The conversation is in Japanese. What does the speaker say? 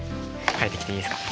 書いてきていいですか？